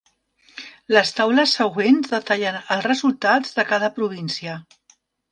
Les taules següents detallen els resultats de cada província.